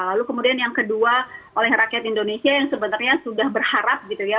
lalu kemudian yang kedua oleh rakyat indonesia yang sebenarnya sudah berharap gitu ya